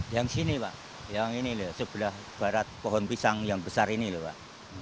yang sini pak yang ini loh sebelah barat pohon pisang yang besar ini loh pak